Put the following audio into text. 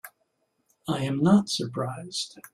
I am not surprised.